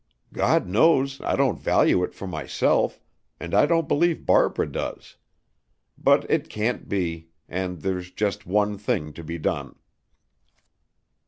"God knows I don't value it for myself, and I don't believe Barbara does. But it can't be. And there's just one thing to be done."